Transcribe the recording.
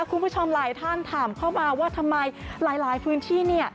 คุณผู้ชมหลายท่านถามเข้ามาว่าทำไมหลายพื้นที่เนี่ย